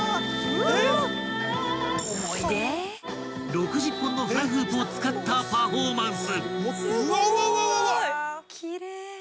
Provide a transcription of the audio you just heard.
［６０本のフラフープを使ったパフォーマンス］